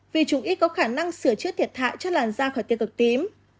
vì chúng ít có khả năng sửa chứa thiệt thại cho làn da khỏi tiêu cực tím